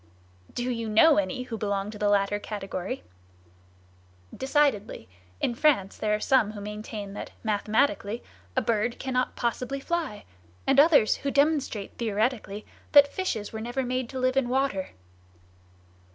"Do you know any who belong to the latter category?" "Decidedly. In France there are some who maintain that, mathematically, a bird cannot possibly fly; and others who demonstrate theoretically that fishes were never made to live in water."